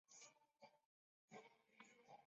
尼克路车站列车服务。